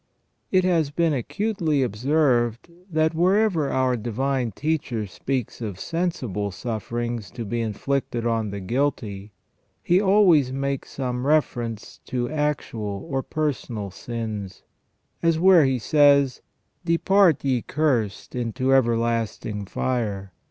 It has been acutely observed that wherever our Divine Teacher speaks of sensible sufferings to be inflicted on the guilty, He always makes some reference to actual or personal sins, as where He says :" Depart, ye cursed, into ever lasting fire.